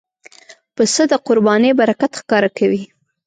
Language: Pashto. پسه د قربانۍ برکت ښکاره کوي.